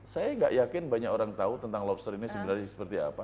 saya nggak yakin banyak orang tahu tentang lobster ini sebenarnya seperti apa